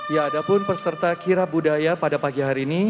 ya ada pun peserta kira budaya pada pagi hari ini